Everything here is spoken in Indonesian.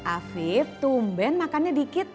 afif tumben makannya dikit